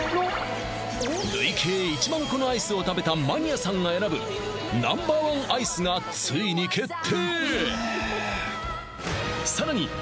累計１万個のアイスを食べたマニアさんが選ぶＮｏ．１アイスがついに決定！